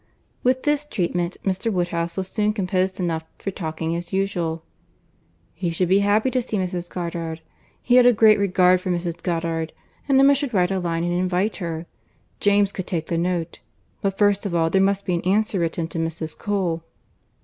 With this treatment, Mr. Woodhouse was soon composed enough for talking as usual. "He should be happy to see Mrs. Goddard. He had a great regard for Mrs. Goddard; and Emma should write a line, and invite her. James could take the note. But first of all, there must be an answer written to Mrs. Cole."